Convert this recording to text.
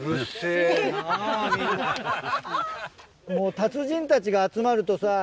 達人たちが集まるとさ